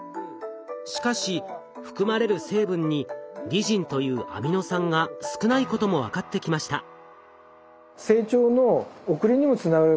しかし含まれる成分にリジンというアミノ酸が少ないことも分かってきました。